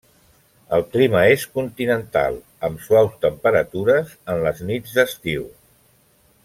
El clima és continental amb suaus temperatures en les nits d'estiu.